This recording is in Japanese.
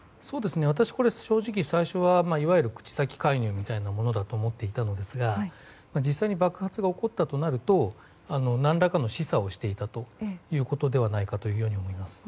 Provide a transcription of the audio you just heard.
私は正直最初は口先介入だと思っていたのですが実際に爆発が起こったとなると何らかの示唆をしていたということではないかと思います。